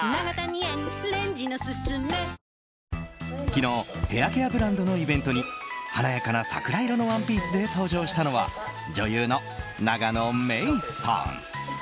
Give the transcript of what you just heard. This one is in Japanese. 昨日ヘアケアブランドのイベントに華やかな桜色のワンピースで登場したのは女優の永野芽郁さん。